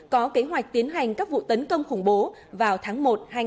có kế hoạch tiến hành các vụ tấn công khủng bố vào tháng một hai nghìn một mươi sáu